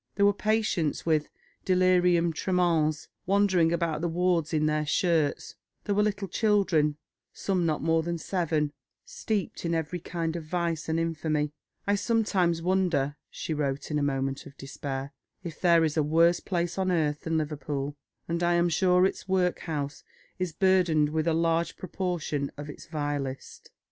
There were patients with delirium tremens wandering about the wards in their shirts; there were little children, some not more than seven, steeped in every kind of vice and infamy. "I sometimes wonder," she wrote, in a moment of despair, "if there is a worse place on earth than Liverpool, and I am sure its workhouse is burdened with a large proportion of its vilest."